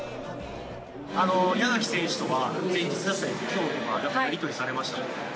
稲垣選手とは前日だったり、きょうやり取りされましたか？